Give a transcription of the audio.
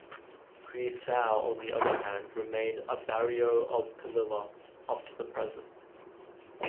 Quisao, on the other hand, remained a barrio of Pililla up to the present.